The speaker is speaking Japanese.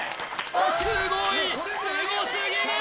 すごいすごすぎる！